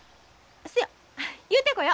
せや言うてこよ。